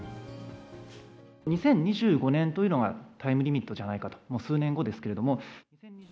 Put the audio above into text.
２０２５年というのがタイムリミットじゃないかと、もう数年後ですけれども。